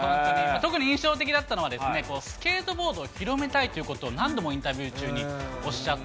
特に印象的だったのはですね、スケートボードを広めたいということを、何度もインタビュー中におっしゃって。